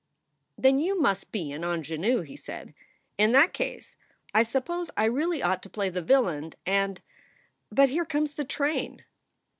"Then you must be an onjanoo," he said. "In that case I suppose I really ought to play the villain and But here comes the train.